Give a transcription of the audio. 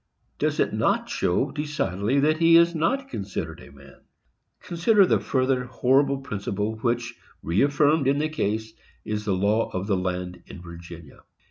Does it not show decidedly that he is not considered as a man? Consider further the horrible principle which, reäffirmed in the case, is the law of the land in Virginia.